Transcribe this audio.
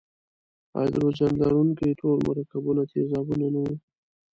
هایدروجن لرونکي ټول مرکبونه تیزابونه نه وي.